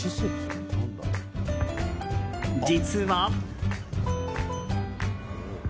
実は。